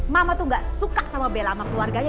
mama tuh gak suka sama bella sama keluarganya